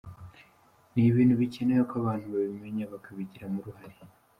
Ni ibintu bikenewe ko abantu babimenya, bakabigiramo uruhare.